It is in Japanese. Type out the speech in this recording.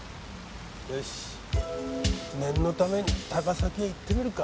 よし念のために高崎へ行ってみるか。